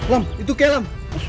lam itu kee lam